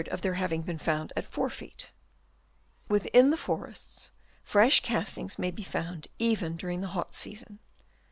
of their having been found at 4 feet. Within the forests, fresh castings may be found even during the hot season.